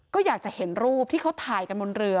ก็อยากจะเห็นรูปที่เขาถ่ายกันบนเรือ